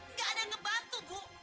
enggak ada yang membantu bu